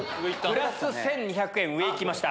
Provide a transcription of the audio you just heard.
プラス１２００円上いきました。